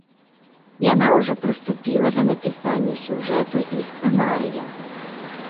Яна ўжо прыступіла да напісання сюжэту і сцэнарыя.